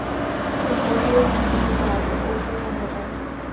کہ گو یا یہ حسین نظارے اوجھل نہ ہو جائیں